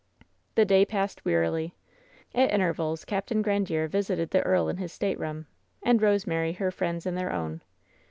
The day passed wearily. At intervals Capt. Grandiere visited the earl in his Btateroom, and Rosemary her friends in their own.